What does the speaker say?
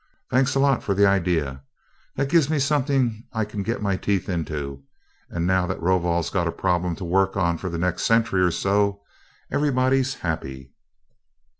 Thanks a lot for the idea that gives me something I can get my teeth into, and now that Rovol's got a problem to work on for the next century or so, everybody's happy."